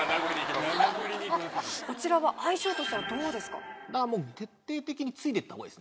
こちらは相性としてはどうですか？